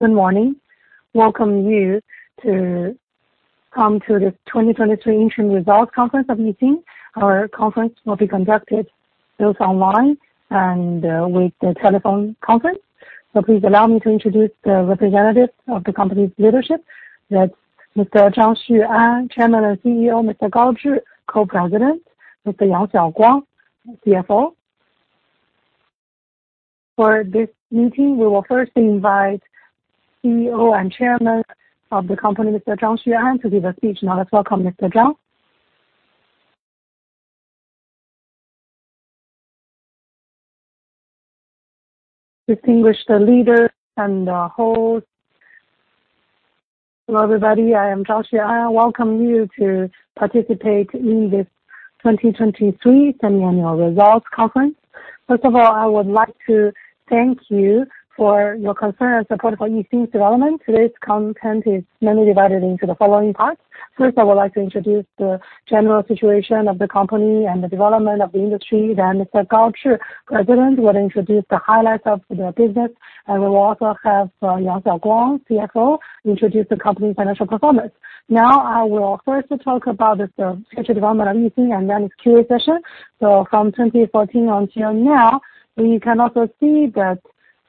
Good morning. Welcome you to come to the 2023 interim results conference of Yixin. Our conference will be conducted both online and with the telephone conference. Please allow me to introduce the representatives of the company's leadership. That's Mr. Zhang Xuan, Chairman and CEO; Mr. Gao Zhi, Co-President; Mr. Yang Xiaoguang, CFO. For this meeting, we will first invite CEO and Chairman of the company, Mr. Zhang Xue'an, to give a speech. Now, let's welcome Mr. Zhang. Distinguished leaders and our hosts, Hello, everybody, I am Zhang Xue'an. Welcome you to participate in this 2023 semiannual results conference. First of all, I would like to thank you for your concern and support for Yixin's development. Today's content is mainly divided into the following parts. First, I would like to introduce the general situation of the company and the development of the industry. Mr. Gao Zhi, President, will introduce the highlights of the business, and we will also have Yang Xiaoguang, CFO, introduce the company's financial performance. Now, I will first talk about this future development of Yixin, and then it's Q&A session. From 2014 until now, we can also see that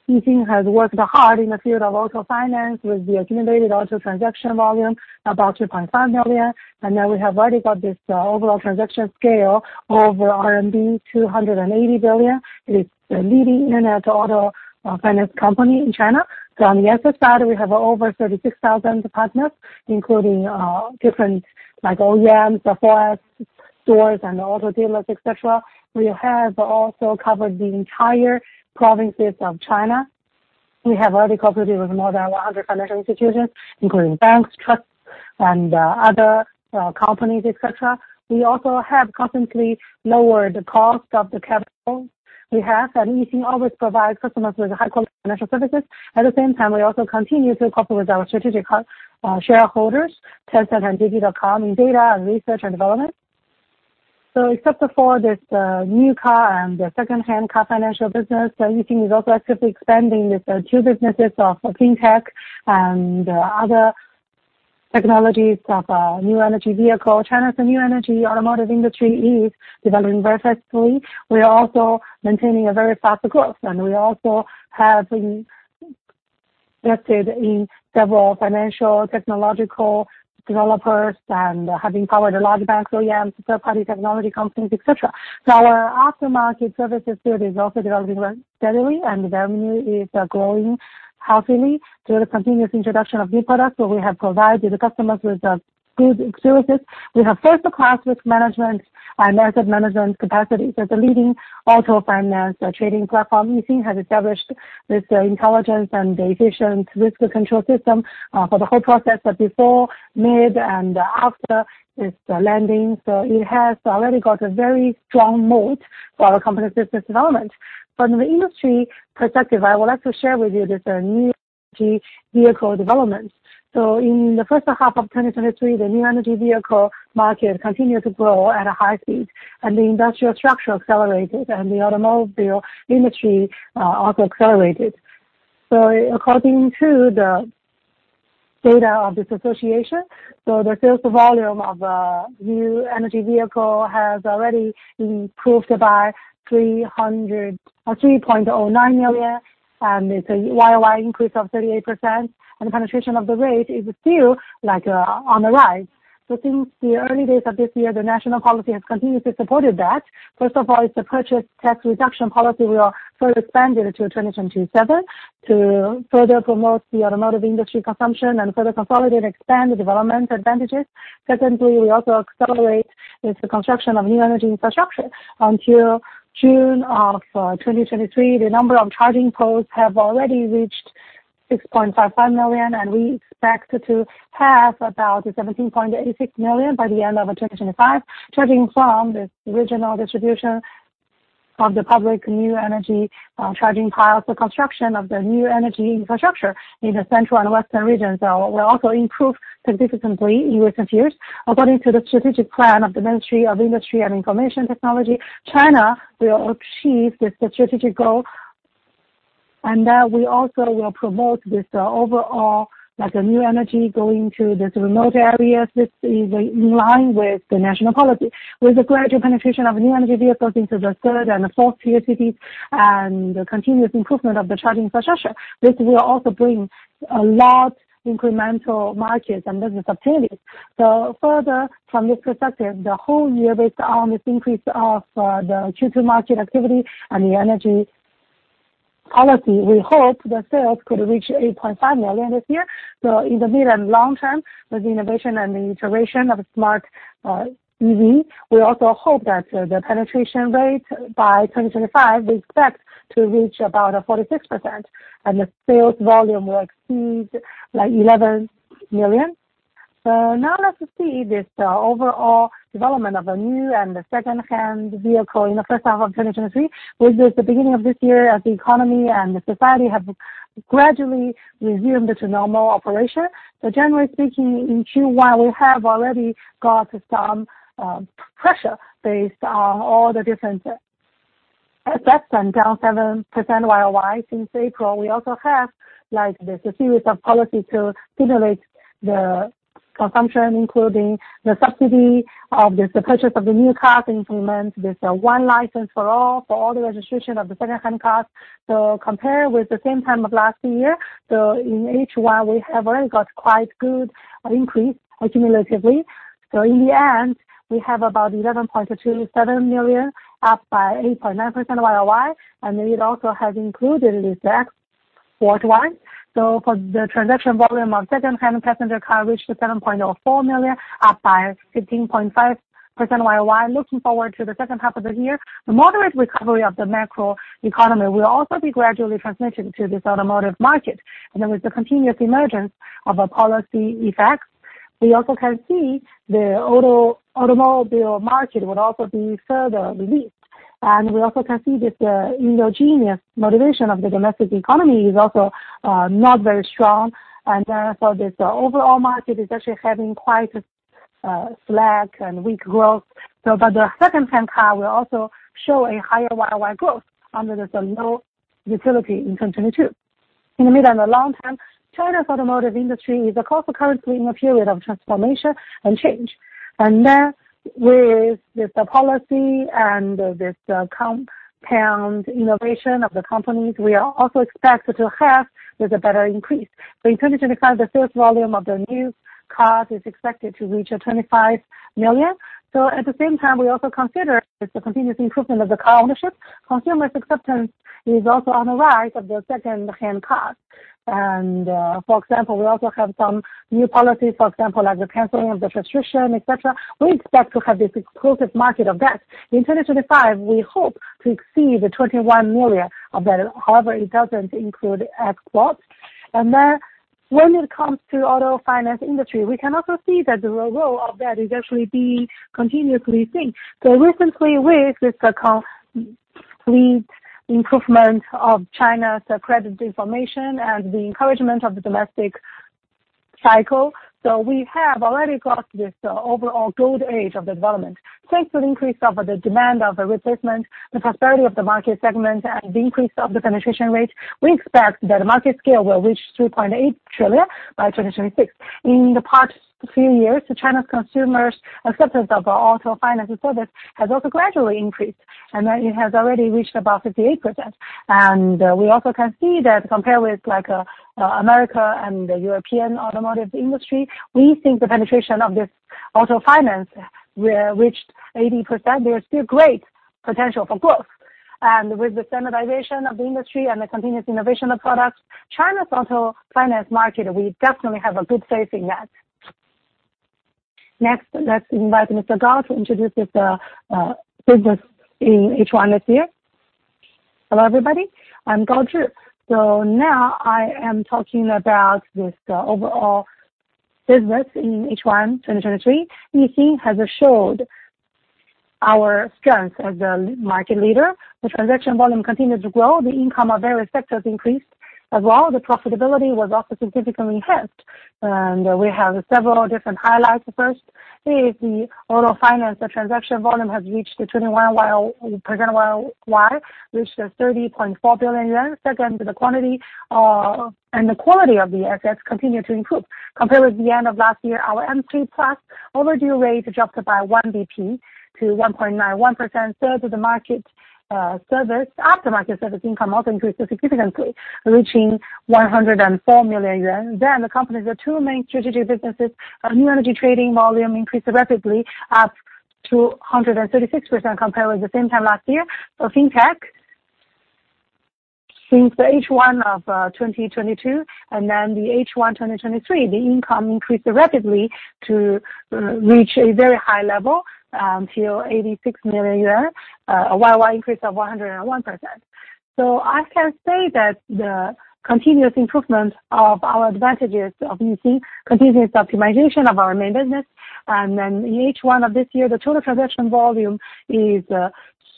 Yixin has worked hard in the field of auto finance with the accumulated auto transaction volume, about 2.5 million. Now we have already got this overall transaction scale over RMB 280 billion. It is the leading internet auto finance company in China. On the asset side, we have over 36,000 partners, including different like OEMs, softwares, stores, and auto dealers, et cetera. We have also covered the entire provinces of China. We have already cooperated with more than 100 financial institutions, including banks, trusts, and other companies, et cetera. We also have constantly lowered the cost of the capital. Yixin always provide customers with high-quality financial services. At the same time, we also continue to cooperate with our strategic shareholders, Tencent and JD.com in data and research and development. Except for this new car and the secondhand car financial business, so Yixin is also actively expanding with the two businesses of Fintech and other technologies of new energy vehicle. China's new energy automotive industry is developing very fastly. We are also maintaining a very faster growth, and we also have been invested in several financial technological developers and have empowered the large banks, OEMs, third-party technology companies, et cetera. Our aftermarket services field is also developing well, steadily, and the revenue is growing healthily through the continuous introduction of new products. We have provided the customers with good experiences. We have first-class risk management and asset management capacities. As a leading auto finance trading platform, Yixin has established this intelligence and efficient risk control system for the whole process, so before, mid, and after this lending. It has already got a very strong moat for our company's business development. From the industry perspective, I would like to share with you this new energy vehicle development. In the first half of 2023, the new energy vehicle market continued to grow at a high speed, and the industrial structure accelerated, and the automobile industry also accelerated. According to the data of this association, the sales volume of new energy vehicle has already improved by three hundred... 3.09 million, and it's a Y-o-Y increase of 38%, and the penetration of the rate is still, like, on the rise. Since the early days of this year, the national policy has continuously supported that. First of all, is the purchase tax reduction policy will further extended to 2027 to further promote the automotive industry consumption and further consolidate and expand the development advantages. Secondly, we also accelerate with the construction of new energy infrastructure. Until June of 2023, the number of charging posts have already reached 6.5 million, and we expect to have about 17.86 million by the end of 2025. Charging from the original distribution of the public new energy, charging piles, the construction of the new energy infrastructure in the central and western regions, will also improve significantly in recent years. According to the strategic plan of the Ministry of Industry and Information Technology, China will achieve this strategic goal. We also will promote this, overall, like, a new energy going to this remote areas. This is in line with the national policy. With the gradual penetration of new energy vehicles into the third and fourth-tier cities and the continuous improvement of the charging infrastructure, this will also bring a lot incremental markets and business opportunities. Further, from this perspective, the whole year, based on this increase of, the Q2 market activity and the energy policy, we hope the sales could reach 8.5 million this year. In the mid and long term, with the innovation and the iteration of smart EV, we also hope that the penetration rate by 2025, we expect to reach about 46%, and the sales volume will exceed like 11 million. Now let's see this overall development of the new and the secondhand vehicle in the first half of 2023, with the beginning of this year, as the economy and the society have gradually resumed into normal operation. Generally speaking, in Q1, we have already got some pressure based on all the different assets went down 7% YOY since April. We also have, like, there's a series of policy to stimulate the consumption, including the subsidy of this, the purchase of the new cars implement. There's a 1 license for all, for all the registration of the secondhand cars. Compared with the same time of last year, in H1, we have already got quite good increase cumulatively. In the end, we have about 11.27 million, up by 8.9% YOY, and it also has included this X worldwide. For the transaction volume of secondhand passenger car reached a 7.04 million, up by 15.5% YOY. Looking forward to the second half of the year, the moderate recovery of the macro economy will also be gradually transmitted to this automotive market. Then with the continuous emergence of a policy effect, we also can see the automobile market would also be further released. We also can see that the endogenous motivation of the domestic economy is also not very strong. Therefore, this overall market is actually having quite a slack and weak growth. But the secondhand car will also show a higher YOY growth under this low utility in 2022. In the mid and the long term, China's automotive industry is of course, currently in a period of transformation and change. Then with the compound innovation of the companies, we are also expected to have with a better increase. In 2025, the sales volume of the new cars is expected to reach 25 million. At the same time, we also consider the continuous improvement of the car ownership. Consumers acceptance is also on the rise of the secondhand cars. For example, we also have some new policies, for example, like the canceling of the restriction, et cetera. We expect to have this exclusive market of that. In 2025, we hope to exceed the 21 million of that. However, it doesn't include exports. When it comes to auto finance industry, we can also see that the role of that is actually being continuously seen. Recently, with this complete improvement of China's credit information and the encouragement of the domestic cycle, so we have already crossed this overall gold age of the development. Thanks to the increase of the demand of the replacement, the prosperity of the market segment, and the increase of the penetration rate, we expect that the market scale will reach 3.8 trillion by 2026. In the past few years, the China's consumers acceptance of our auto finance service has also gradually increased, it has already reached about 58%. We also can see that compared with, like, America and the European automotive industry, we think the penetration of this auto finance will reach 80%. There is still great potential for growth. With the standardization of the industry and the continuous innovation of products, China's auto finance market, we definitely have a good faith in that. Next, let's invite Mr. Gao to introduce this business in H1. Hello, everybody. I'm Gao Zhi. Now I am talking about this overall business in H1 2023. Yixin has assured our strength as the market leader. The transaction volume continued to grow, the income of various sectors increased as well. The profitability was also significantly enhanced, and we have several different highlights. First, is the auto finance. The transaction volume has reached the 21% YOY, which is 30.4 billion yuan. Second, the quantity and the quality of the assets continue to improve. Compared with the end of last year, our M3+ overdue rate dropped by 1 basis point to 1.91%. Third, the market service, after-market service income also increased significantly, reaching 104 million yuan. The company's two main strategic businesses, our new energy trading volume increased rapidly, up to 136% compared with the same time last year. FinTech, since the H1 2022 and H1 2023, the income increased rapidly to reach a very high level, to 86 million, a YOY increase of 101%. I can say that the continuous improvement of our advantages of Yixin, continuous optimization of our main business, and then in H1 of this year, the total transaction volume is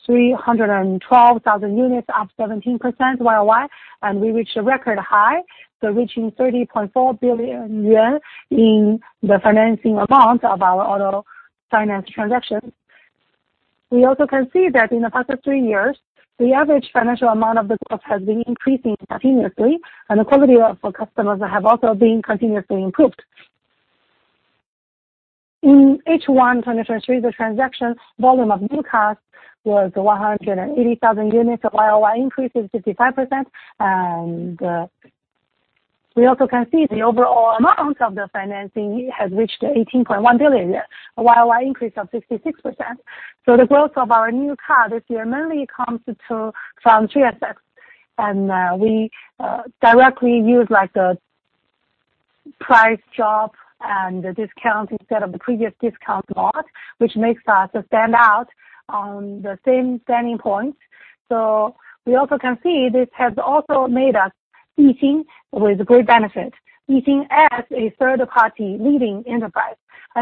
312,000 units, up 17% YOY, and we reached a record high. Reaching 30.4 billion yuan in the financing amount of our auto finance transactions. We also can see that in the past three years, the average financial amount of the growth has been increasing continuously, and the quality of our customers have also been continuously improved. In H1 2023, the transaction volume of new cars was 180,000 units, a YOY increase of 55%. We also can see the overall amount of the financing has reached 18.1 billion, a YOY increase of 66%. The growth of our new car this year mainly comes from three assets. We directly use, like, a price drop and a discount instead of the previous discount model, which makes us stand out on the same standing points. We also can see this has also made us Yixin with great benefit, Yixin as a third-party leading enterprise.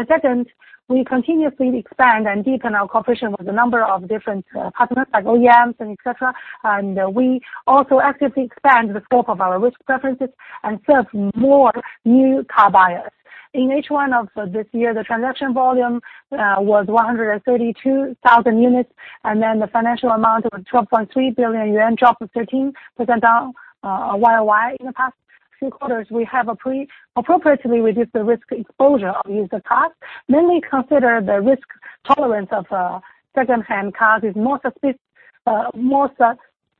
Second, we continuously expand and deepen our cooperation with a number of different partners, like OEMs and et cetera. We also actively expand the scope of our risk preferences and serve more new car buyers. In H1 of this year, the transaction volume was 132,000 units, and then the financial amount of 12.3 billion yuan, drop of 13% down year-over-year. In the past few quarters, we have appropriately reduced the risk exposure of user cars, mainly consider the risk tolerance of second-hand cars is more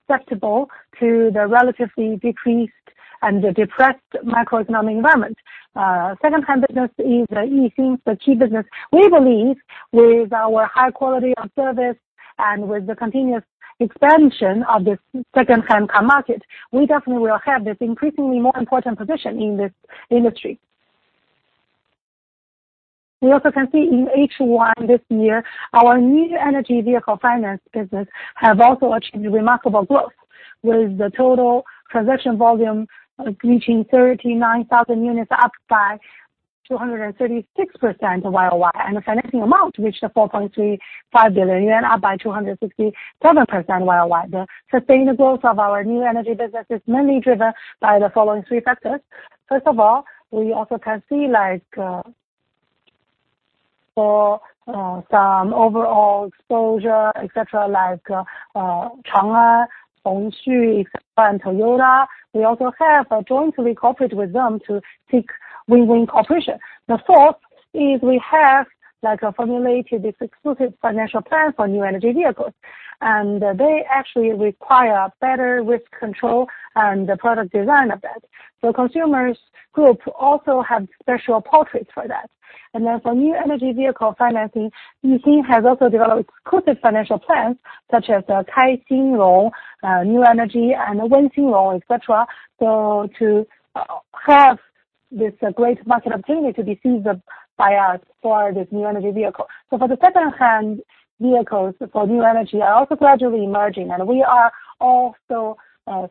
susceptible to the relatively decreased and the depressed macroeconomic environment. Second-hand business is Yixin's the key business. We believe with our high quality of service and with the continuous expansion of this second-hand car market, we definitely will have this increasingly more important position in this industry. We also can see in H1 this year, our new energy vehicle finance business have also achieved remarkable growth, with the total transaction volume reaching 39,000 units, up by 236% year-over-year, and the financing amount reached CNY 4.35 billion, up by 267% year-over-year. The sustainable growth of our new energy business is mainly driven by the following three factors. First of all, we also can see like, for some overall exposure, et cetera, like, Chang'an, Dongfeng, and Toyota, we also have a jointly cooperate with them to seek win-win cooperation. The fourth is we have, like, formulated this exclusive financial plan for new energy vehicles, they actually require better risk control and the product design of that. Consumers group also have special portraits for that. Then for new energy vehicle financing, Yixin has also developed exclusive financial plans, such as the Kaixin Loan New Energy, and the Wenxin Loan, et cetera. To have this great market opportunity to be seized by us for this new energy vehicle. For the second hand, vehicles for new energy are also gradually emerging, and we are also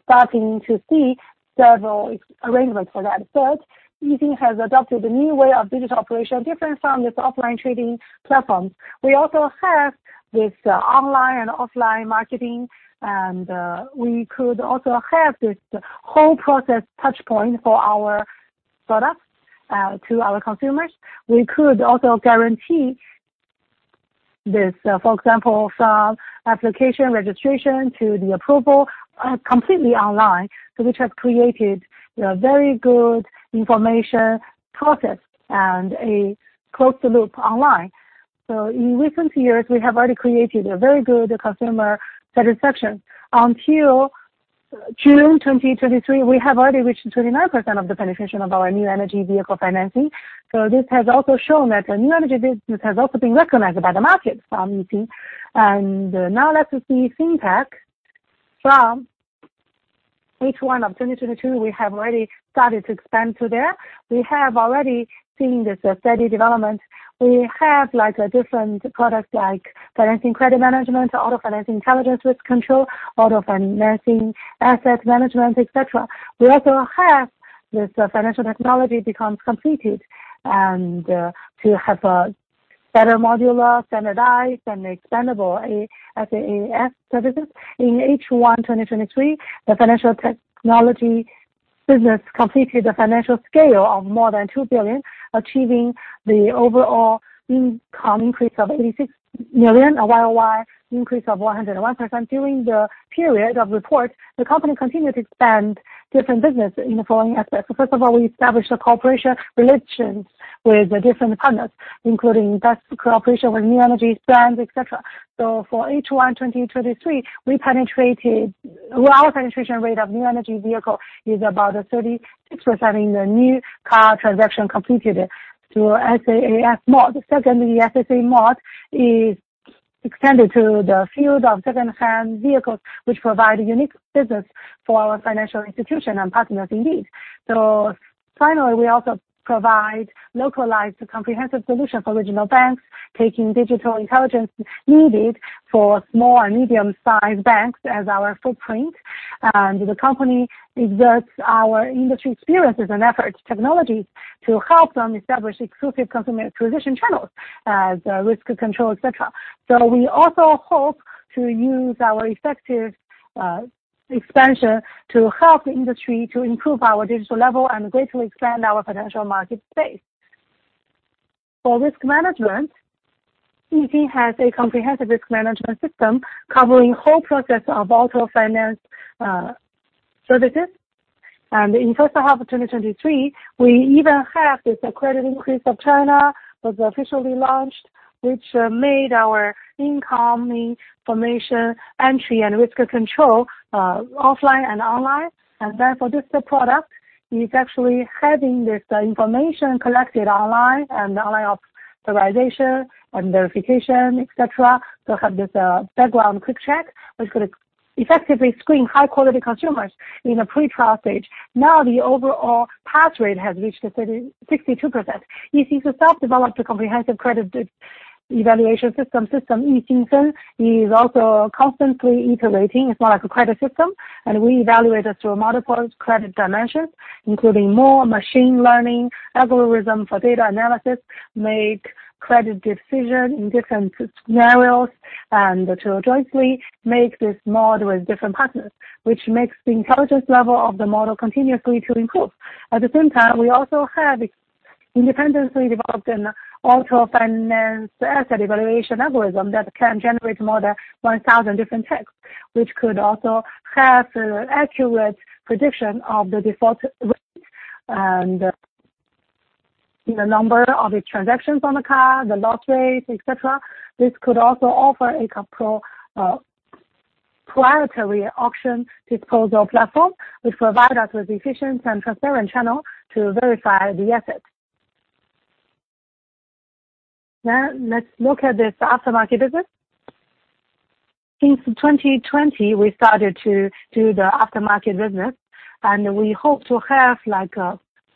starting to see several arrangements for that. Third, Yixin has adopted a new way of digital operation, different from this offline trading platforms. We also have this online and offline marketing, and we could also have this whole process touch point for our products to our consumers. We could also guarantee this, for example, some application registration to the approval, completely online, so which has created a very good information process and a closed loop online. In recent years, we have already created a very good consumer satisfaction. Until June 2023, we have already reached 29% of the penetration of our new energy vehicle financing. This has also shown that the new energy business has also been recognized by the market from Yixin. Now let's see FinTech. From H1 2022, we have already started to expand to there. We have already seen this steady development. We have, like, a different product like financing credit management, auto financing intelligence risk control, auto financing asset management, et cetera. We also have this financial technology becomes completed, and to have a better modular, standardized, and expandable SaaS services. In H1 2023, the financial technology business completed the financial scale of more than 2 billion, achieving the overall income increase of 86 million, a year-over-year increase of 101%. During the period of report, the company continued to expand different business in the following aspects. First of all, we established a cooperation relations with the different partners, including best cooperation with new energy brands, et cetera. For H1 2023, we penetrated... Our penetration rate of new energy vehicle is about 36% in the new car transaction completed through SaaS model. Secondly, the SaaS model is extended to the field of second-hand vehicles, which provide a unique business for our financial institution and partners indeed. Finally, we also provide localized comprehensive solution for regional banks, taking digital intelligence needed for small and medium-sized banks as our footprint. The company exerts our industry experiences and efforts, technologies, to help them establish exclusive consumer acquisition channels, as risk control, et cetera. We also hope to use our effective expansion to help the industry to improve our digital level and greatly expand our potential market space. For risk management, Yixin has a comprehensive risk management system covering whole process of auto finance services. In first half of 2023, we even have this credit increase of China was officially launched, which made our income information entry and risk control offline and online. Therefore, this product is actually having this information collected online and online authorization and verification, et cetera, to have this background quick check, which could effectively screen high quality consumers in a pre-trial stage. Now, the overall pass rate has reached 62%. Yixin itself developed a comprehensive credit evaluation system, System Yixin, is also constantly iterating. It's more like a credit system, and we evaluate it through multiple credit dimensions, including more machine learning, algorithm for data analysis, make credit decision in different scenarios.... and to jointly make this model with different partners, which makes the intelligence level of the model continuously to improve. At the same time, we also have independently developed an auto finance asset evaluation algorithm that can generate more than 1,000 different texts, which could also have an accurate prediction of the default rate and the number of transactions on the car, the loss rate, et cetera. This could also offer a proprietary auction disposal platform, which provide us with efficient and transparent channel to verify the assets. Let's look at this aftermarket business. In 2020, we started to do the aftermarket business, we hope to have, like,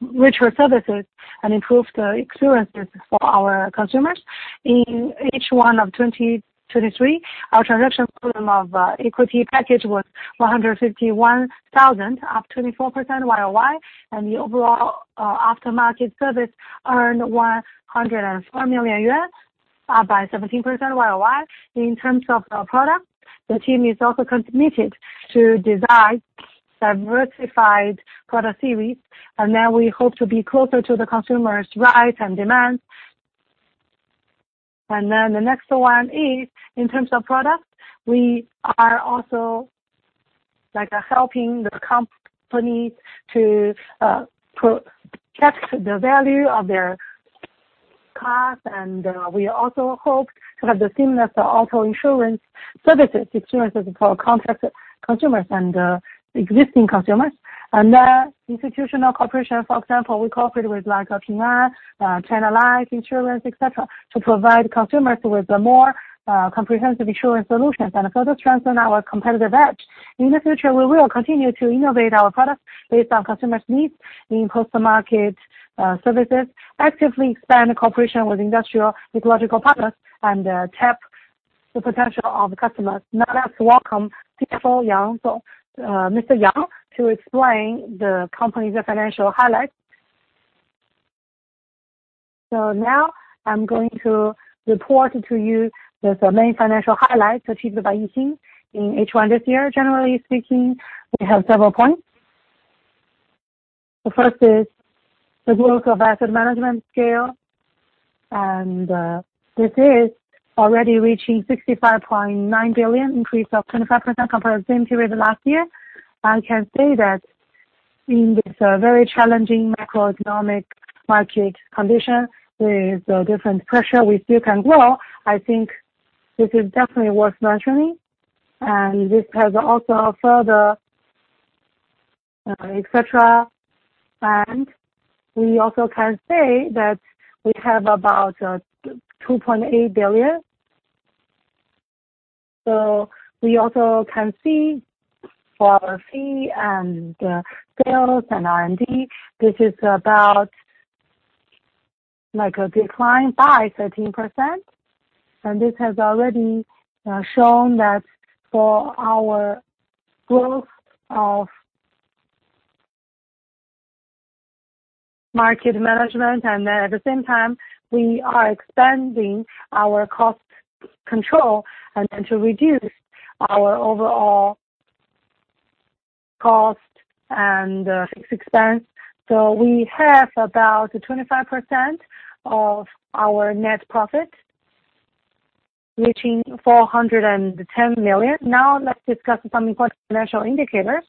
richer services and improve the experiences for our consumers. In H1 of 2023, our transaction volume of equity package was 151,000, up 24% YOY, the overall aftermarket service earned 104 million yuan, up by 17% YOY. In terms of the product, the team is also committed to design diversified product series, and then we hope to be closer to the consumer's rights and demands. The next one is, in terms of product, we are also, like, helping the company to capture the value of their cars, and we also hope to have the seamless auto insurance services, experiences for contract consumers and existing consumers. Institutional cooperation, for example, we cooperate with like, Ping An, China Life Insurance, et cetera, to provide consumers with a more comprehensive insurance solutions and further strengthen our competitive edge. In the future, we will continue to innovate our products based on customers' needs in post-market, services, actively expand the cooperation with industrial ecological partners and tap the potential of the customers. Now, let's welcome CFO Yang, so, Mr. Yang, to explain the company's financial highlights. Now I'm going to report to you the main financial highlights achieved by Yixin in H1 this year. Generally speaking, we have several points. The first is the growth of asset management scale, and this is already reaching 65.9 billion, increase of 25% compared to the same period last year. I can say that in this, very challenging macroeconomic market condition, with the different pressure, we still can grow. I think this is definitely worth mentioning, and this has also further, et cetera. We also can say that we have about, 2.8 billion. We also can see for our fee and sales and R&D, this is about like a decline by 13%, and this has already shown that for our growth of market management, at the same time, we are expanding our cost control and to reduce our overall cost and expense. We have about 25% of our net profit, reaching 410 million. Now, let's discuss some important financial indicators.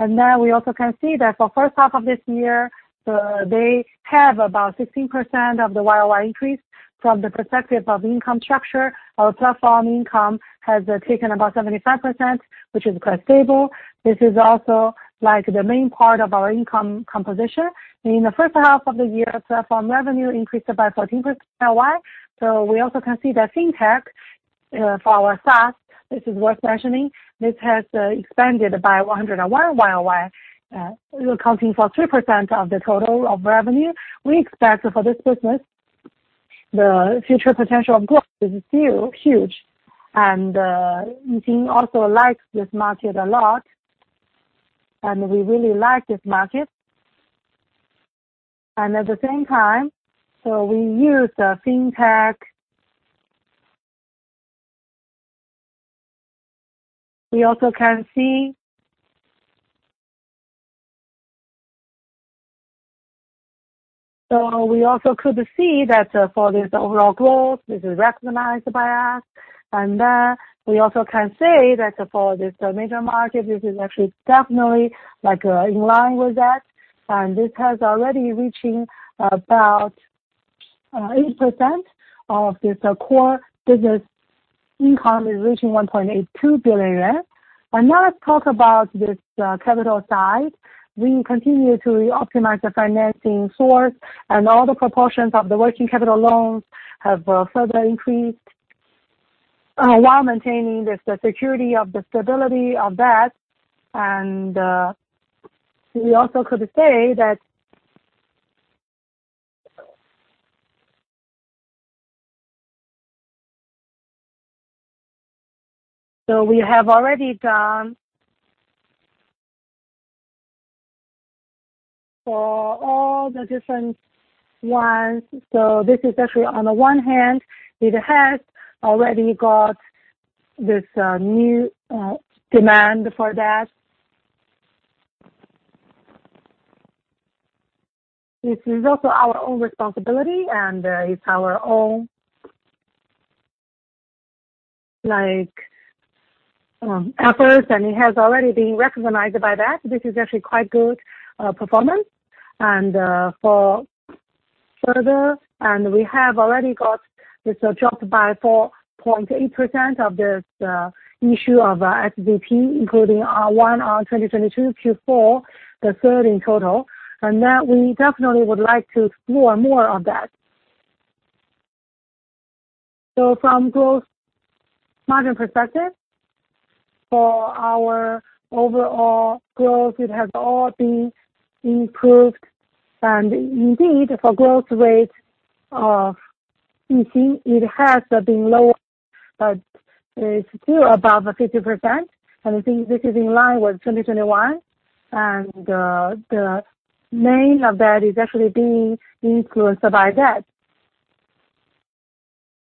We also can see that for first half of this year, they have about 16% of the YOY increase. From the perspective of income structure, our platform income has taken about 75%, which is quite stable. This is also, like, the main part of our income composition. In the first half of the year, platform revenue increased by 14% YOY. We also can see that FinTech for our SaaS, this is worth mentioning, this has expanded by 101 YOY, accounting for 3% of the total of revenue. We expect for this business, the future potential of growth is still huge, and Yixin also likes this market a lot, and we really like this market. At the same time, so we use the FinTech... We also can see... So we also could see that for this overall growth, this is recognized by us, and we also can say that for this major market, this is actually definitely, like, in line with that. This has already reaching about 8% of this core business income is reaching 1.82 billion yuan. Now let's talk about this capital side. We continue to optimize the financing source, all the proportions of the working capital loans have further increased while maintaining the security of the stability of that. We also could say that... We have already done...for all the different ones. This is actually, on the one hand, it has already got this new demand for that. This is also our own responsibility, and it's our own, like, efforts, and it has already been recognized by that. This is actually quite good performance. For further, we have already got this dropped by 4.8% of this issue of ABS, including R1, 2022 Q4, the third in total. That we definitely would like to explore more on that. From gross margin perspective, for our overall growth, it has all been improved. Indeed, for growth rate of you see, it has been low, but it's still above the 50%, and I think this is in line with 2021, and the main of that is actually being influenced by that.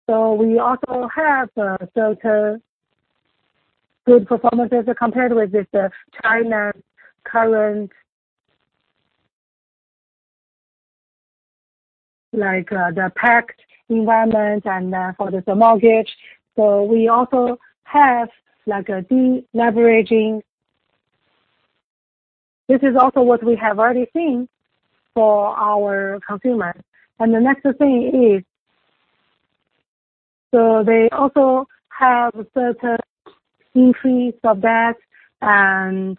We also have certain good performances compared with this China current, like, the packed environment and for the mortgage. We also have, like, a de-leveraging. This is also what we have already seen for our consumers. The next thing is, they also have certain increase of that, and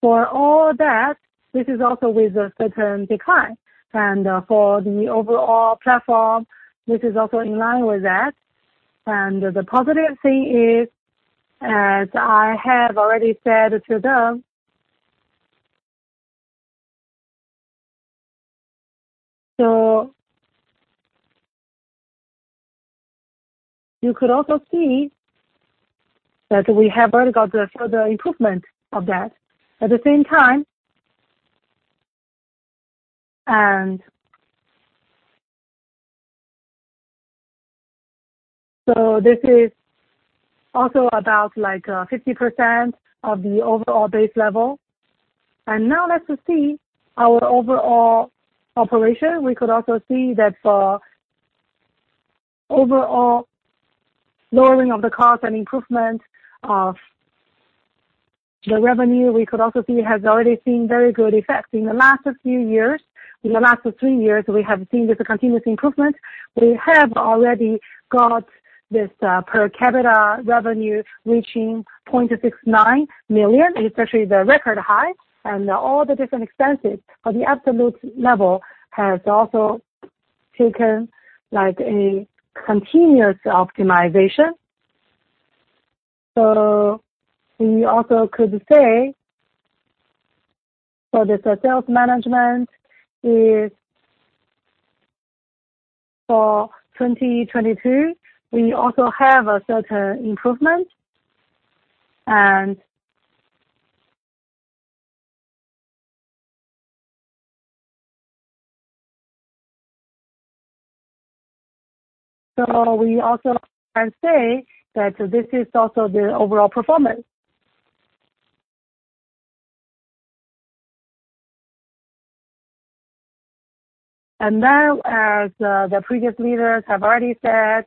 for all that, this is also with a certain decline. For the overall platform, this is also in line with that. The positive thing is, as I have already said to them... You could also see that we have already got a further improvement of that. At the same time, this is also about like 50% of the overall base level. Now let's see our overall operation. We could also see that for overall lowering of the cost and improvement of the revenue, we could also see has already seen very good effects. In the last few years, in the last 3 years, we have seen this continuous improvement. We have already got this per capita revenue reaching 0.69 million, especially the record high and all the different expenses. The absolute level has also taken, like, a continuous optimization. We also could say, for the sales management is for 2022, we also have a certain improvement. We also can say that this is also the overall performance. Now, as the previous leaders have already said,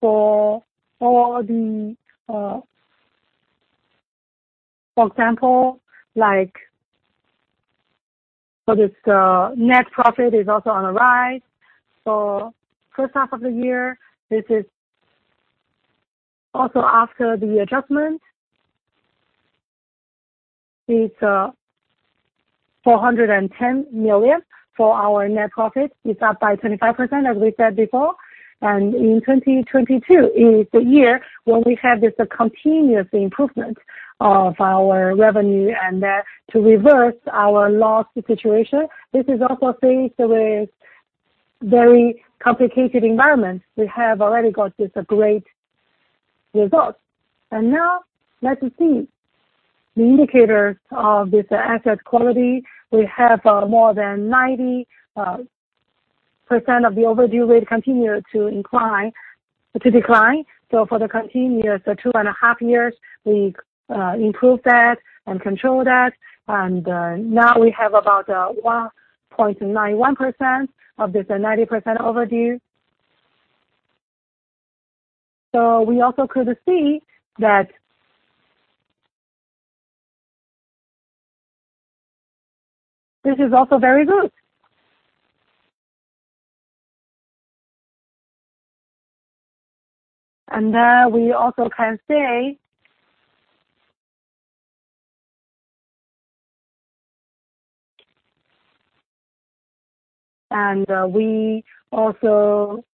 for, for the... For example, like, for this, net profit is also on the rise. First half of the year, this is also after the adjustment. It's 410 million for our net profit. It's up by 25%, as we said before, and in 2022 is the year when we have this continuous improvement of our revenue, and then to reverse our loss situation. This is also faced with very complicated environments. We have already got this a great result. Now let us see the indicators of this asset quality. We have more than 90% of the overdue rate continue to incline-- to decline. For the continuous, for 2.5 years, we improved that and controlled that. Now we have about 1.91% of this 90% overdue. We also could see that. This is also very good. We also can say. We also.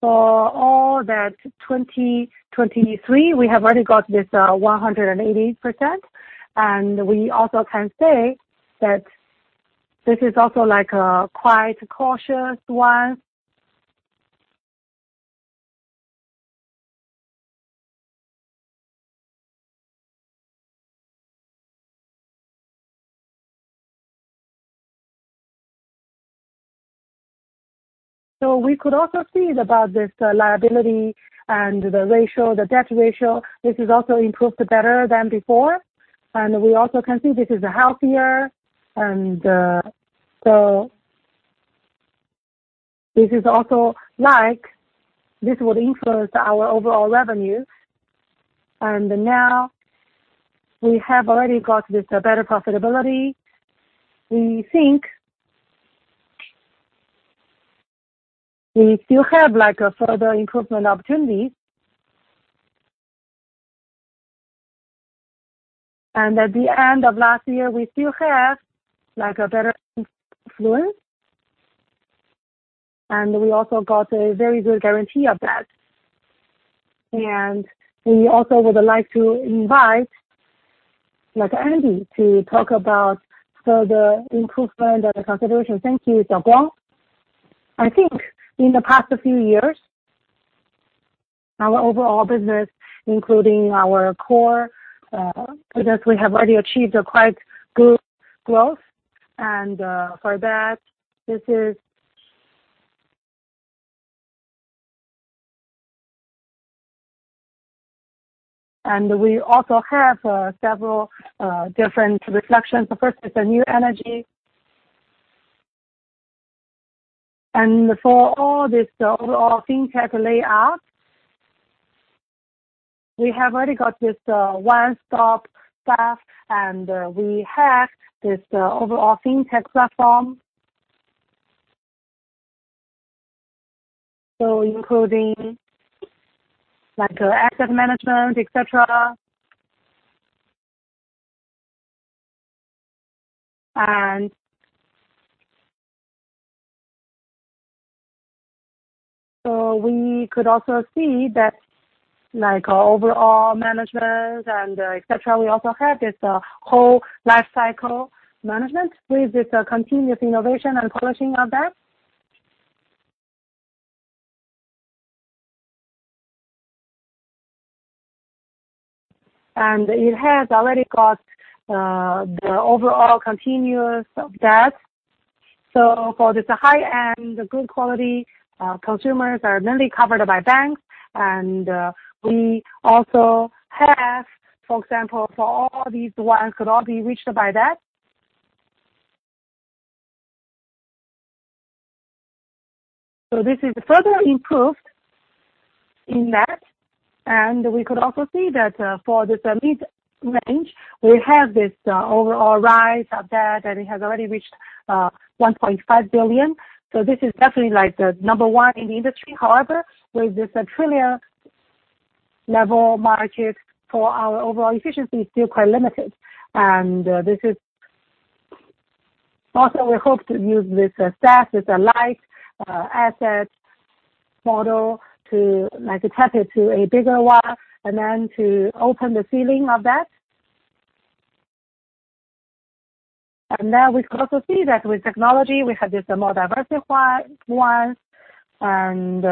For all that, 2023, we have already got this 180%, and we also can say that. This is also like a quite cautious one. We could also see about this liability and the ratio, the debt ratio. This is also improved better than before, and we also can see this is healthier. This is also like this would influence our overall revenue. Now we have already got this better profitability. We think we still have like a further improvement opportunity. At the end of last year, we still have, like, a better influence, and we also got a very good guarantee of that. We also would like to invite, like, Andy, to talk about the improvement and the consideration. Thank you, Xiaoguang. I think in the past few years, our overall business, including our core business, we have already achieved a quite good growth. For that, we also have several different reflections. The first is the new energy. For all this overall FinTech layout, we have already got this one-stop staff, and we have this overall FinTech platform. Including, like, asset management, et cetera. We could also see that, like, our overall management and et cetera, we also have this whole lifecycle management with this continuous innovation and polishing of that. It has already got the overall continuous of debt. For this high-end, good quality, consumers are mainly covered by banks. We also have, for example, for all these ones could all be reached by that. This is further improved in that, and we could also see that, for this mid-range, we have this overall rise of that, and it has already reached 1.5 billion. This is definitely like the number one in the industry. With this 1 trillion level market, for our overall efficiency is still quite limited, this is also we hope to use this as SaaS, as a light asset model to like tap it to a bigger one and then to open the ceiling of that. Now we could also see that with technology, we have this a more diversified one, to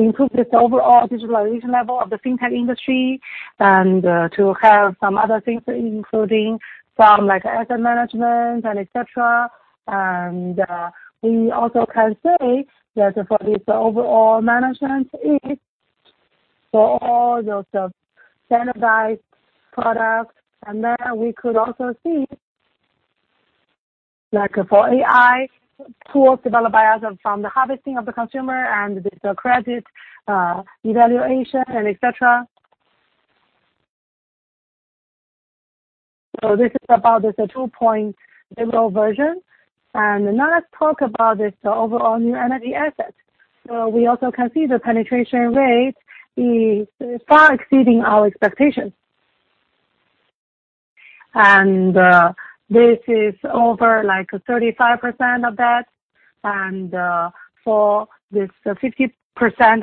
improve this overall digitalization level of the FinTech industry and to have some other things, including some, like, asset management and et cetera. We also can say that for this overall management is for all those standardized products. We could also see, like, for AI tools developed by us from the harvesting of the consumer and this credit evaluation and et cetera. This is about the 2.0 version. Now let's talk about this, the overall new energy assets. We also can see the penetration rate is far exceeding our expectations. This is over like 35% of that. For this 50%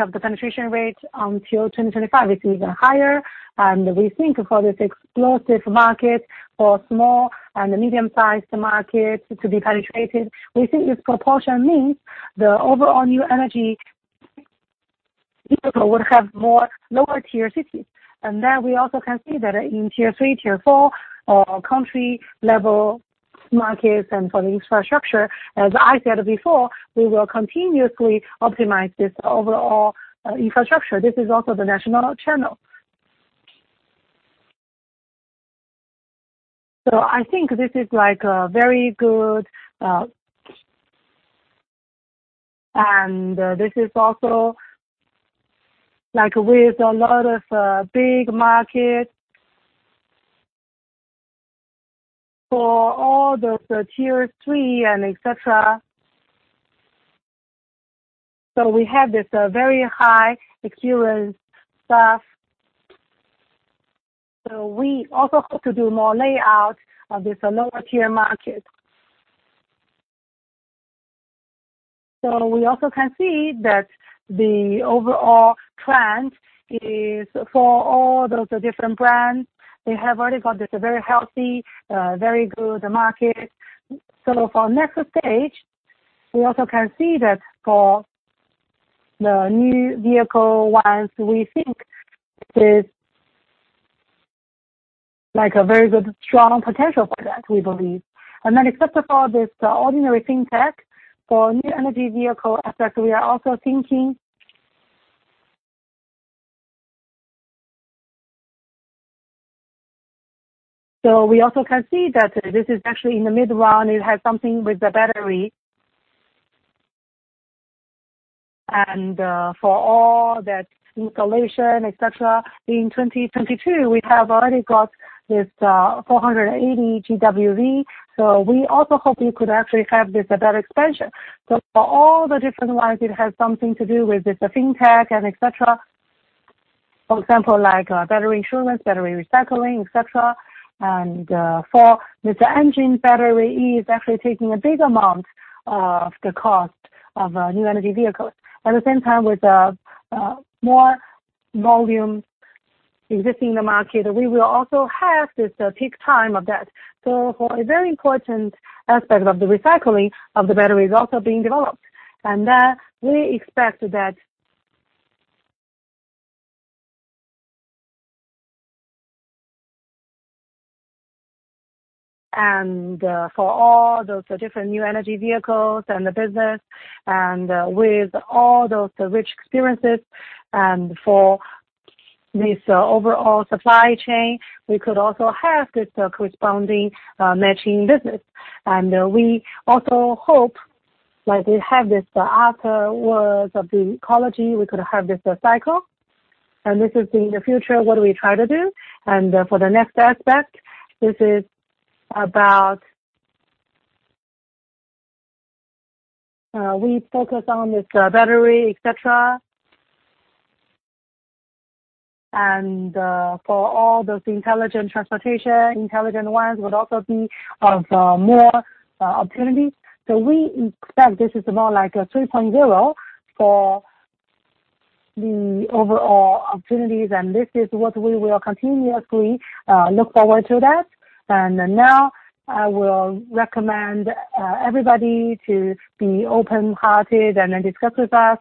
of the penetration rate until 2025, it's even higher. We think for this explosive market, for small and medium-sized markets to be penetrated, we think this proportion means the overall new energy vehicle would have more lower Tier cities. We also can see that in Tier 3, Tier 4 or country level markets and for the infrastructure, as I said before, we will continuously optimize this overall infrastructure. This is also the national channel. I think this is like a very good. This is also like with a lot of big markets for all the Tier 3 and et cetera. We have this very high experience staff. We also hope to do more layout of this lower tier market. We also can see that the overall trend is for all those different brands, they have already got this very healthy, very good market. For next stage, we also can see that for the new vehicle ones, we think is like a very good, strong potential for that, we believe. Then except for this ordinary fintech, for new energy vehicle aspect, we are also thinking. We also can see that this is actually in the midrun, it has something with the battery. For all that installation, et cetera, in 2022, we have already got this 480 GWh. We also hope we could actually have this better expansion. For all the different ones, it has something to do with this, the FinTech and et cetera. For example, like, battery insurance, battery recycling, et cetera. For this engine battery is actually taking a big amount of the cost of new energy vehicles. At the same time, with the more volume existing in the market, we will also have this peak time of that. For a very important aspect of the recycling of the battery is also being developed, and we expect that. For all those different new energy vehicles and the business, with all those rich experiences, and for this overall supply chain, we could also have this corresponding matching business. We also hope, like we have this afterwards of the ecology, we could have this cycle, and this is in the future, what we try to do. For the next aspect, this is about. We focus on this battery, et cetera. For all those intelligent transportation, intelligent ones would also be of more opportunities. We expect this is more like a 3.0 for the overall opportunities, and this is what we will continuously look forward to that. Then now, I will recommend everybody to be open-hearted and then discuss with us.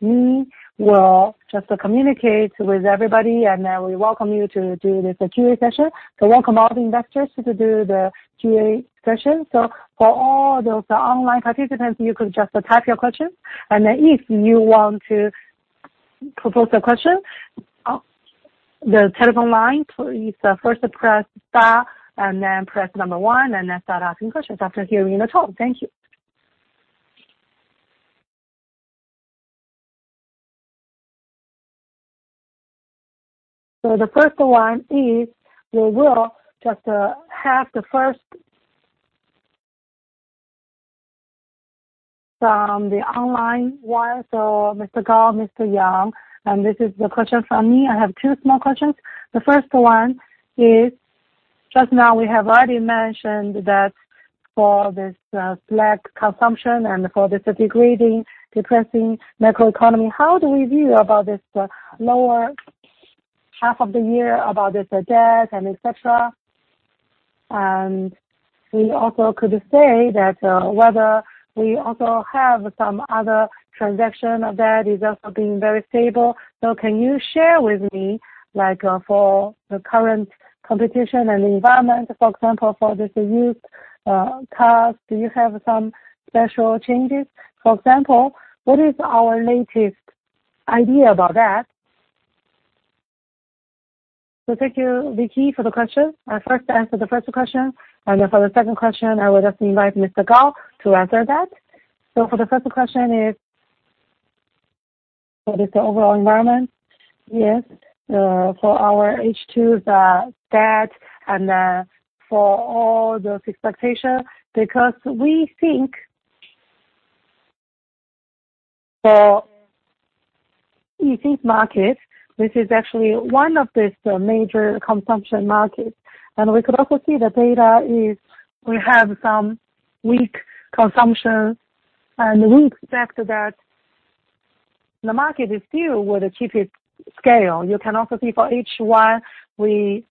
Me will just communicate with everybody, and we welcome you to do this Q&A session. Welcome all the investors to do the Q&A session. For all those online participants, you could just type your questions, and then if you want to propose the question, the telephone line, please, first press star and then press number one, and then start asking questions after hearing the tone. Thank you. The first one is, we will just have the first from the online one. Mr. Gao, Mr. Yang, and this is the question from me. I have two small questions. The first one is, just now we have already mentioned that for this, slack consumption and for this degrading, depressing macroeconomy, how do we view about this, lower half of the year, about this, the debt and et cetera? We also could say that, whether we also have some other transaction of that is also being very stable. Can you share with me, like, for the current competition and environment, for example, for this used cars, do you have some special changes? For example, what is our latest idea about that? Thank you, Vicky, for the question. I first answer the first question, and then for the second question, I would just invite Mr. Gao to answer that. For the first question is, for this overall environment, yes, for our H2, the debt and for all those expectations, because we think the Yixin market, this is actually one of this major consumption market. And we could also see the data is we have some weak consumption, and we expect that the market is still with a cheapest scale. You can also see for each one, we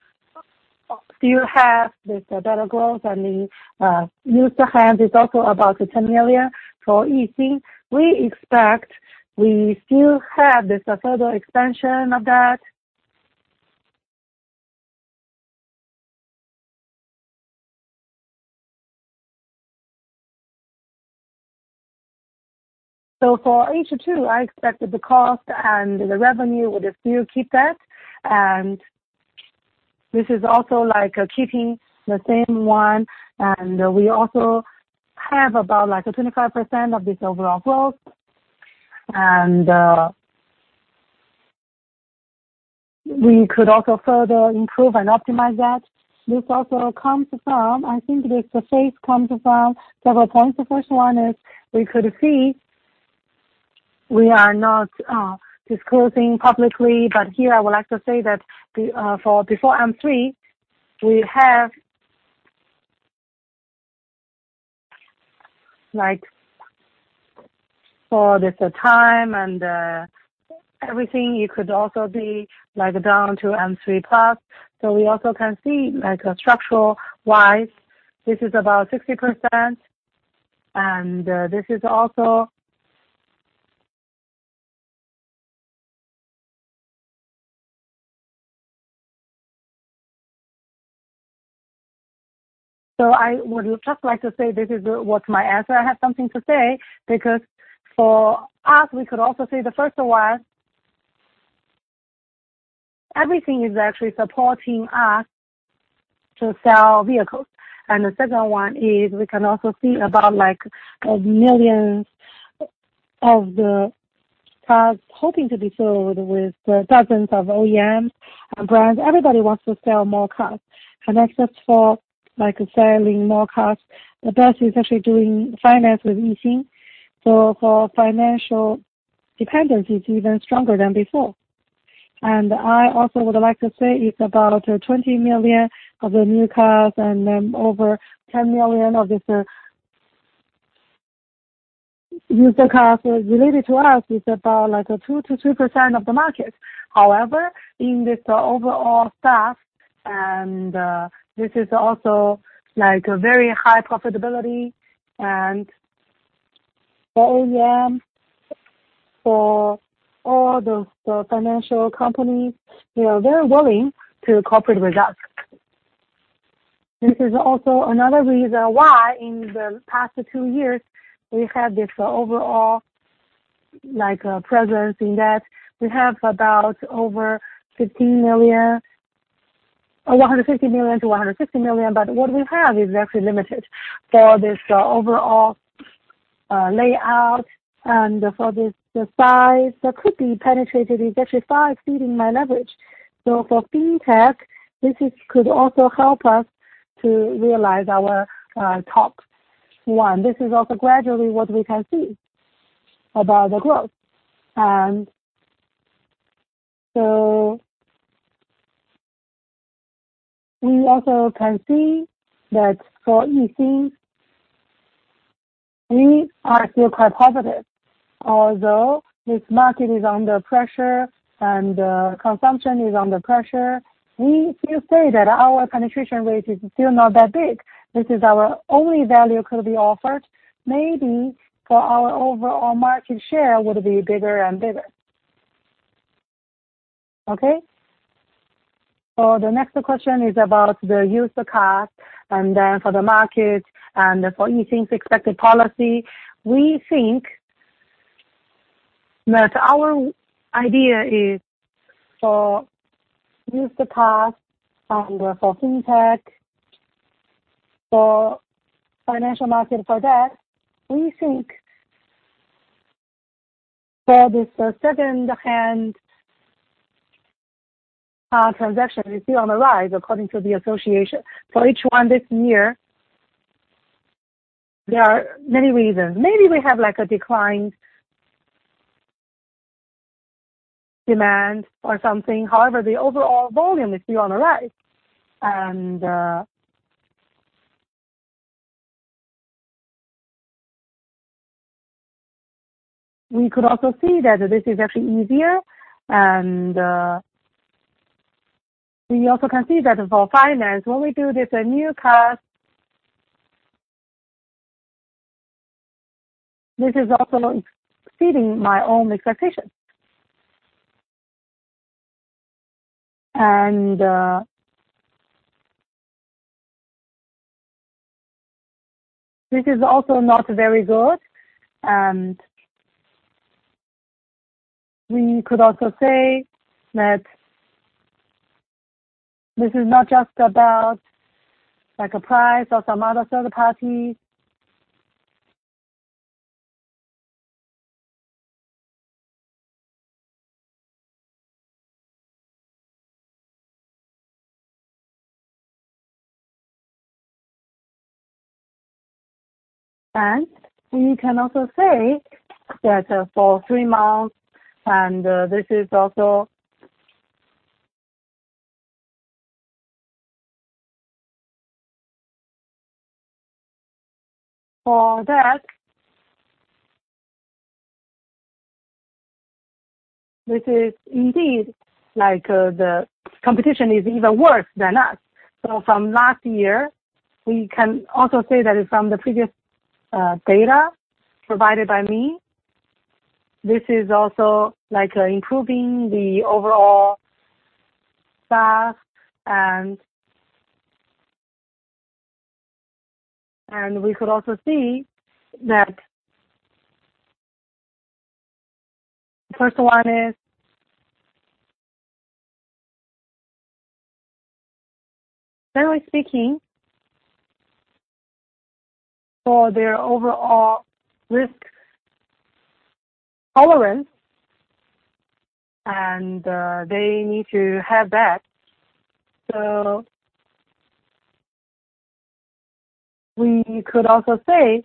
still have this better growth, and the used to hand is also about CNY 10 million for Yixin. We expect we still have this further expansion of that. For H2, I expect that the cost and the revenue would still keep that, and this is also like keeping the same one, and we also have about, like, a 25% of this overall growth. We could also further improve and optimize that. This also comes from, I think this phase comes from several points. The first one is we could see-... We are not disclosing publicly, but here I would like to say that the for before M3, we have, like, for this time and everything, you could also be, like, down to M3+. We also can see, like, structural wise, this is about 60%. I would just like to say this is what my answer. I have something to say, because for us, we could also say the first one, everything is actually supporting us to sell vehicles. The second one is we can also see about, like, millions of the cars hoping to be sold with the dozens of OEMs and brands. Everybody wants to sell more cars, and that's just for, like, selling more cars. The best is actually doing finance with Yixin. For financial dependency, it's even stronger than before. I also would like to say it's about 20 million of the new cars and then over 10 million of this used cars related to us, it's about like a 2%-3% of the market. In this overall staff, and this is also like a very high profitability, and the OEM for all the financial companies, they are very willing to cooperate with us. This is also another reason why in the past 2 years, we've had this overall, like, presence, in that we have about over 15 million, 150 million-160 million, but what we have is actually limited. For this overall layout and for this, the size that could be penetrated is actually far exceeding my leverage. For FinTech, this is could also help us to realize our top one. This is also gradually what we can see about the growth. We also can see that for Yixin, we are still quite positive, although this market is under pressure and consumption is under pressure, we still say that our penetration rate is still not that big. This is our only value could be offered. Maybe for our overall market share would be bigger and bigger. Okay? The next question is about the used car, and then for the market, and for Yixin's expected policy. We think that our idea is for used the car and for FinTech, for financial market, for that, we think for this second hand transaction is still on the rise, according to the association. For each one this year, there are many reasons. Maybe we have like a declined demand or something. However, the overall volume is still on the rise, and we could also see that this is actually easier, and we also can see that for finance, when we do this, a new car, this is also exceeding my own expectations. This is also not very good, and we could also say that this is not just about like a price or some other third party. We can also say that for three months, and this is also for that, this is indeed like the competition is even worse than us. From last year, we can also say that from the previous data provided by me, this is also like improving the overall SaaS and... We could also see that first one is, generally speaking, for their overall risk tolerance, and they need to have that. We could also say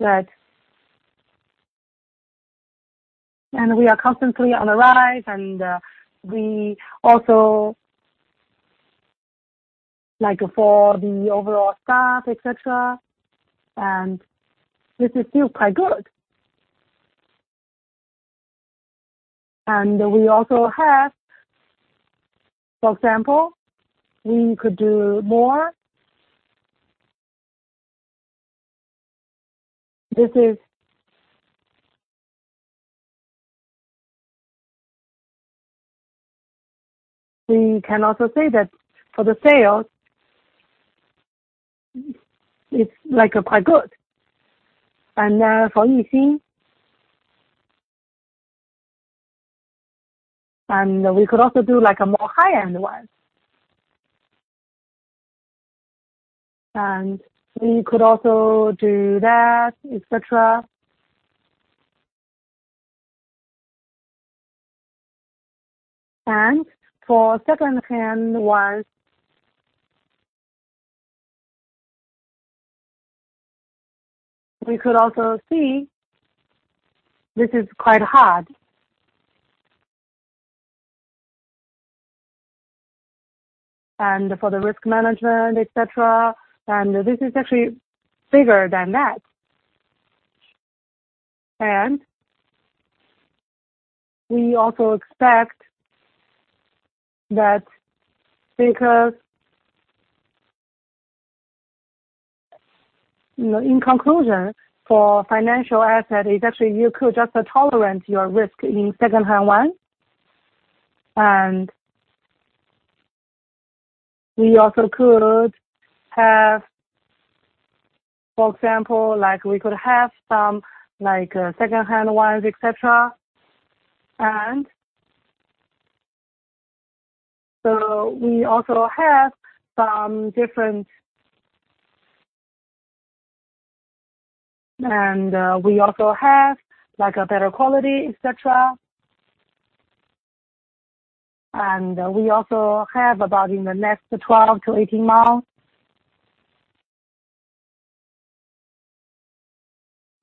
that, we are constantly on the rise, and we also, like for the overall staff, et cetera, and this is still quite good. We also have, for example, we could do more. We can also say that for the sales, it's like, quite good. We could also do, like, a more high-end one. We could also do that, et cetera. For secondhand ones, we could also see this is quite hard. For the risk management, et cetera, and this is actually bigger than that. We also expect that because, you know, in conclusion, for financial asset, it actually you could just tolerate your risk in secondhand one. We also could have, for example, like we could have some, like, secondhand ones, et cetera. We also have some different-- We also have, like, a better quality, et cetera.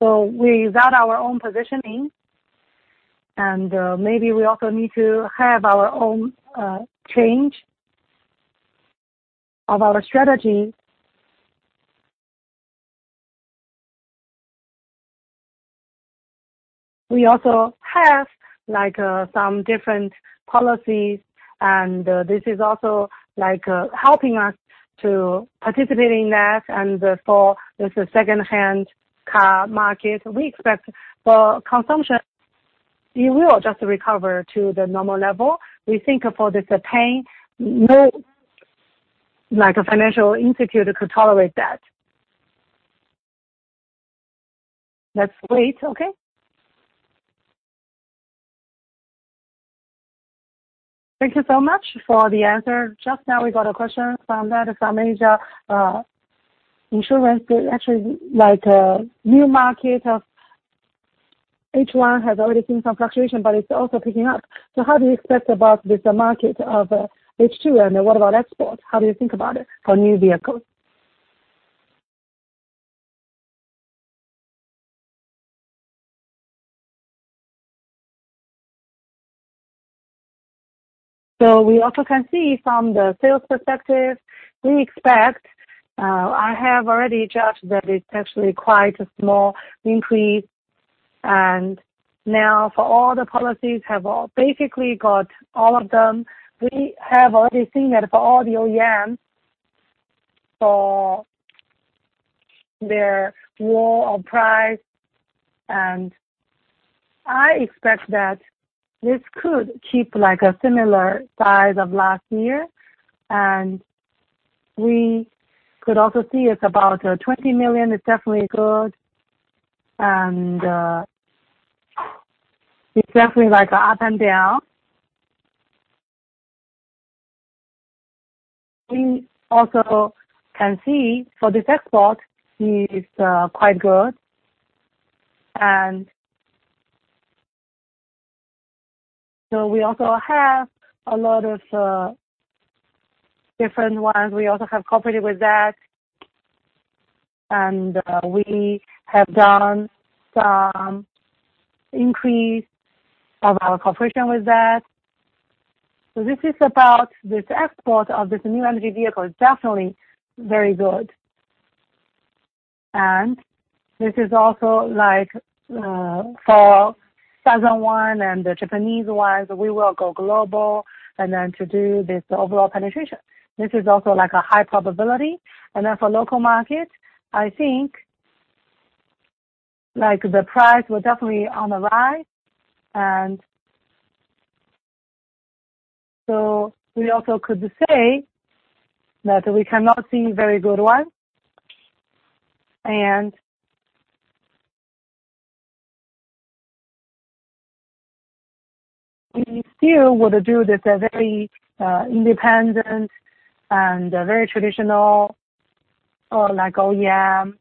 We also have about in the next 12 to 18 months. We got our own positioning, and maybe we also need to have our own change of our strategy. We also have, like, some different policies, and this is also like, helping us to participate in that. For this second-hand car market, we expect for consumption, it will just recover to the normal level. We think for this pain, no, like a financial institute, could tolerate that. Let's wait, okay? Thank you so much for the answer. Just now, we got a question from that, from Asia Insurance. Actually, like, a new market of H1 has already seen some fluctuation, but it's also picking up. How do you expect about this market of H2, and what about export? How do you think about it for new vehicles? We also can see from the sales perspective, we expect, I have already judged that it's actually quite a small increase. Now for all the policies have all basically got all of them. We have already seen that for all the OEMs for their war on price, and I expect that this could keep like a similar size of last year, and we could also see it's about 20 million. It's definitely good. It's definitely like up and down. We also can see for this export is quite good. We also have a lot of different ones. We also have cooperated with that, and we have done some increase of our cooperation with that. This is about this export of this new energy vehicle. It's definitely very good. This is also like, for thousand one and the Japanese ones, we will go global and then to do this overall penetration. This is also like a high probability. Then for local market, I think, like the price will definitely on the rise. We also could say that we cannot see very good one, and we still would do this a very independent and very traditional or like OEM,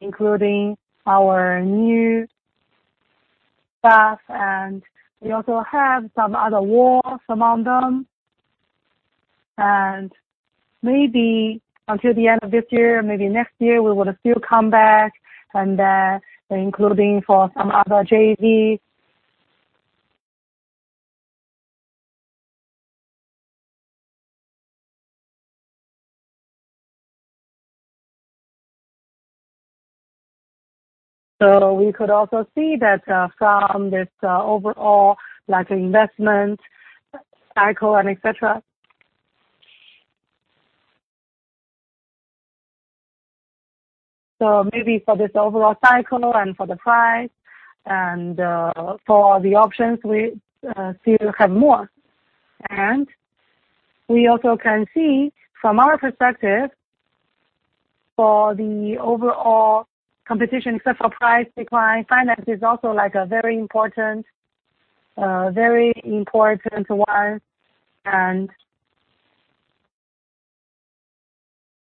including our staff, and we also have some other walls among them. Maybe until the end of this year, or maybe next year, we will still come back and, including for some other JV. We could also see that from this overall, like, investment cycle and et cetera. Maybe for this overall cycle and for the price and for the options, we still have more. We also can see from our perspective, for the overall competition, except for price decline, finance is also like a very important, very important one.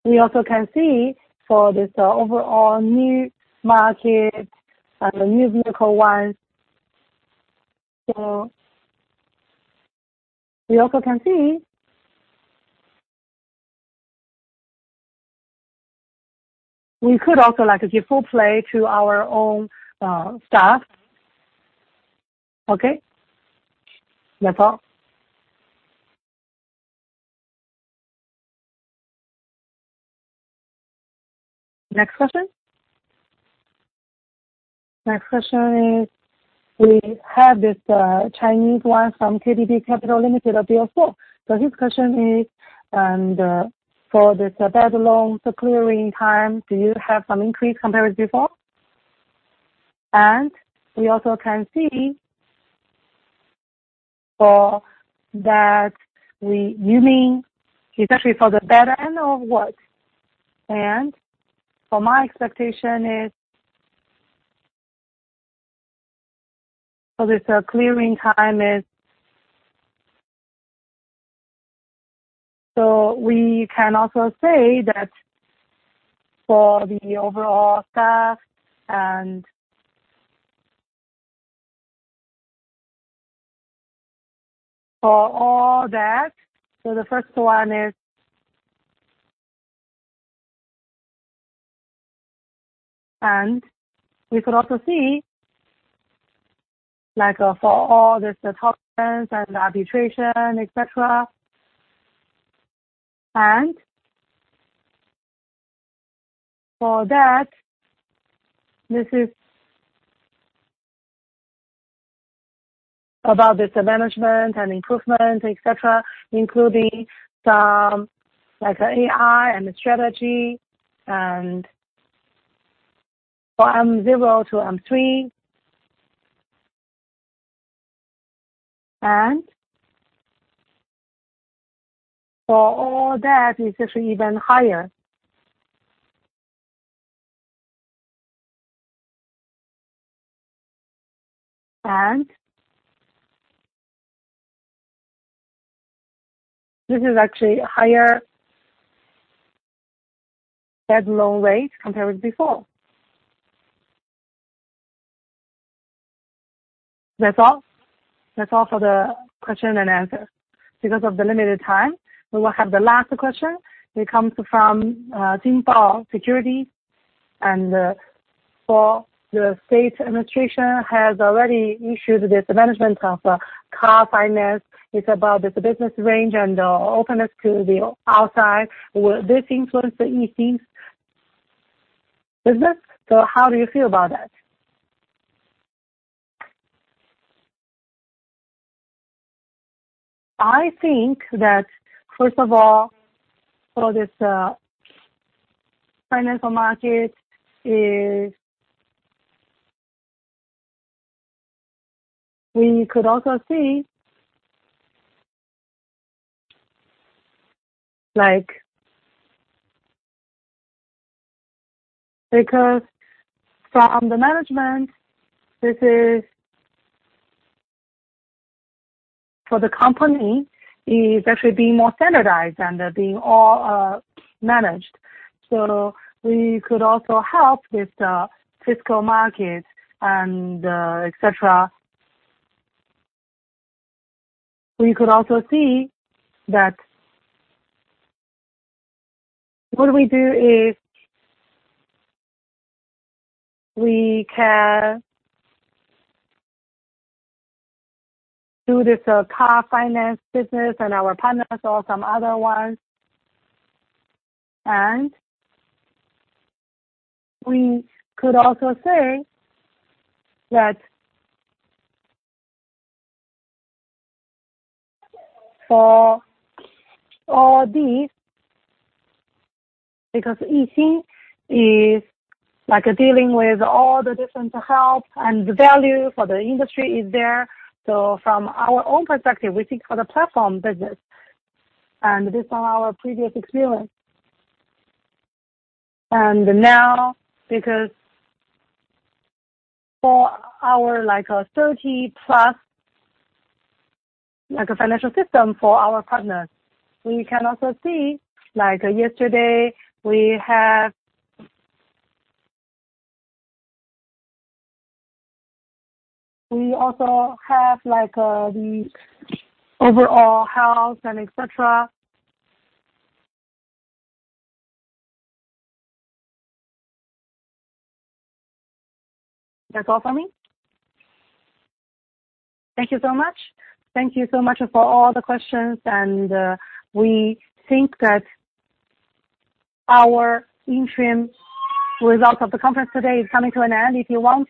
We also can see for this overall new market and the new musical ones. We could also, like, give full play to our own staff. Okay? That's all. Next question. Next question is, we have this Chinese one from KDB Capital Limited of BO4. His question is, and for this bad loan, so clearing time, do you have some increase compared with before? We also can see for that, you mean especially for the bad end or what? My expectation is. This clearing time is. We can also say that for the overall staff and for all that, the first one is. We could also see, like, for all this, the tokens and the arbitration, et cetera. For that, this is about this management and improvement, et cetera, including some, like, AI and the strategy and for M0 to M3. For all that, it's actually even higher. This is actually higher bad loan rate compared with before. That's all. That's all for the question and answer. Because of the limited time, we will have the last question. It comes from Xingbao Security, for the state administration has already issued this management of car finance. It's about this business range and openness to the outside. Will this influence the Yixin's business? How do you feel about that? I think that, first of all, for this financial market is... We could also see, like, because from the management, this is... For the company, is actually being more standardized and being all managed. We could also help with the fiscal market and et cetera. We could also see that what we do is, we can do this car finance business and our partners or some other ones. We could also say that for all these, because Yixin is like, dealing with all the different help and the value for the industry is there. From our own perspective, we think for the platform business and based on our previous experience, and now, because for our, like, 30+ financial system for our partners, we can also see, like yesterday, we also have, like, the overall health and et cetera. That's all for me. Thank you so much. Thank you so much for all the questions, and we think that our interim results of the conference today is coming to an end. If you want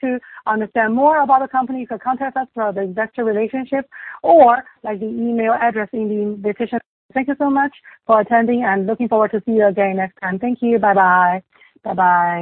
to understand more about the company, you can contact us through the Investor Relations or like the email address in the description. Thank you so much for attending and looking forward to see you again next time. Thank you. Bye-bye. Bye-bye.